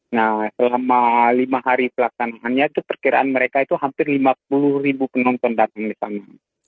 nah selama lima hari pelaksanaannya itu perkiraan mereka itu hampir lima puluh ribu penonton datang di sana